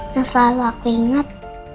selalu aku ingat